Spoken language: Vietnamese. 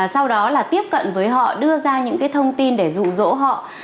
sau đó là tiếp cận với họ đưa ra những cái thông tin để rụ rỗ họ